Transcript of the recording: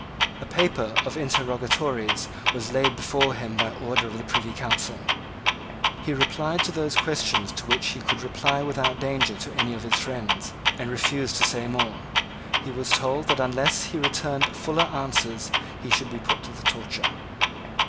A paper of interrogatories was laid before him by order of the Privy Council. He replied to those questions to which he could reply without danger to any of his friends, and refused to say more. He was told that unless he returned fuller answers he should be put to the torture.